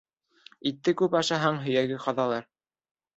Итте күп ашаһаң, һөйәге ҡаҙалыр.